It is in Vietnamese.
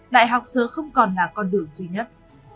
đại học giờ không còn là con đường duy nhất